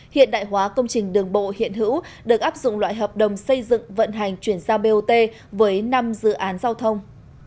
hiện đại hóa công trình đường bộ hiện hữu được áp dụng loại hợp đồng xây dựng vận hành chuyển giao bot với năm dự án giao thông